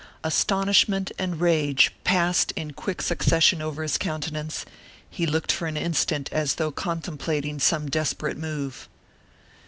Astonishment and rage passed in quick succession over his countenance; he looked for an instant as though contemplating some desperate move.